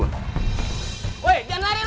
woy jangan lari lu